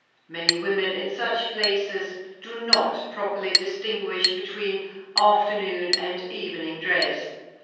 Many women in such places do not properly distinguish between afternoon and evening dress.